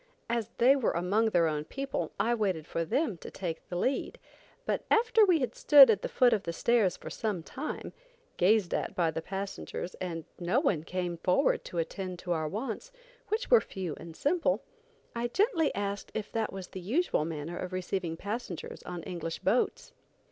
As they were among their own people, I waited for them to take the lead; but after we had stood at the foot of the stairs for some time, gazed at by the passengers, and no one came forward to attend to our wants, which were few and simple, I gently asked if that was the usual manner of receiving passengers on English boats.